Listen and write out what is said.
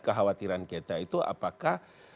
kekhawatiran kita itu apakah